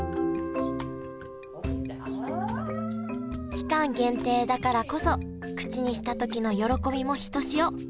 期間限定だからこそ口にした時の喜びもひとしお。